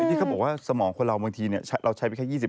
ที่เขาบอกว่าสมองคนเราบางทีเราใช้ไปแค่๒๐